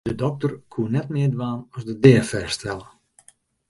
De dokter koe net mear dwaan as de dea fêststelle.